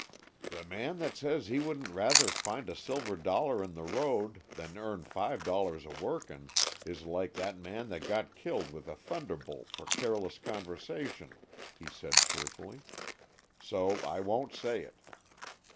"The man that says he wouldn't rather find a silver dollar in the road than earn five dollars a workin', is like that man that got killed with a thunderbolt for careless conversation," he said cheerfully, "so I won't say it.